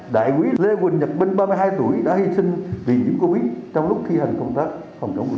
đại quý lê quỳnh nhật minh ba mươi hai tuổi đã hi sinh vì nhiễm covid trong lúc thi hành công tác phòng chống lũy